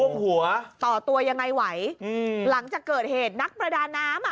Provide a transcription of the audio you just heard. โอ้โหต่อตัวยังไงไหวหลังจากเกิดเหตุนักประดาน้ำ